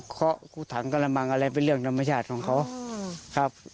คู่ถังกระมังอะไรเป็นเรื่องธรรมชาติของเขาครับ